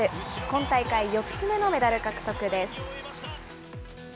今大会４つ目のメダル獲得です。